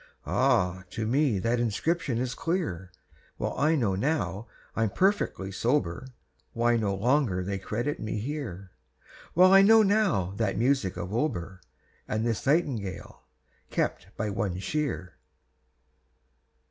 Ah! to me that inscription is clear; Well I know now, I'm perfectly sober, Why no longer they credit me here, Well I know now that music of Auber, And this Nightingale, kept by one Shear."